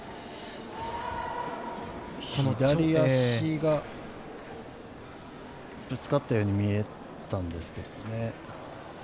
左足がぶつかったように見えたんですけどね。